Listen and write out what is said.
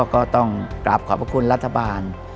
ก็ต้องกราบขอบคุณรัฐบาล